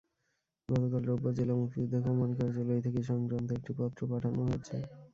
গতকাল রোববার জেলা মুক্তিযোদ্ধা কমান্ড কার্যালয় থেকে এ-সংক্রান্ত একটি পত্র পাঠানো হয়েছে।